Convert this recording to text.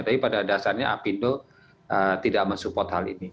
tapi pada dasarnya apindo tidak men support hal ini